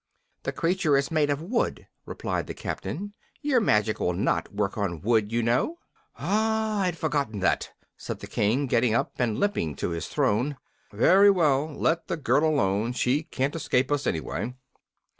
"The creature is made of wood," replied the captain. "Your magic will not work on wood, you know." "Ah, I'd forgotten that," said the King, getting up and limping to his throne. "Very well, let the girl alone. She can't escape us, anyway."